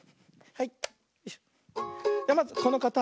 はい。